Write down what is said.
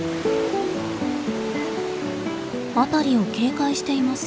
辺りを警戒しています。